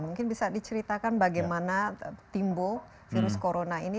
mungkin bisa diceritakan bagaimana timbul virus corona ini